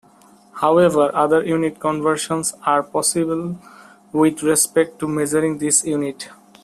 However, other unit conversions are possible with respect to measuring this unit.